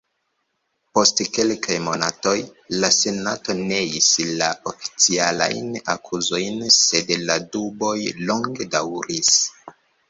Post kelkaj monatoj, la Senato neis la oficialajn akuzojn sed la duboj longe daŭris.